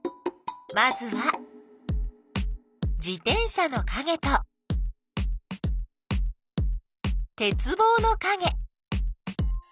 まずは自転車のかげとてつぼうのかげ。